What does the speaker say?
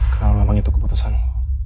kalo memang itu keputusan lo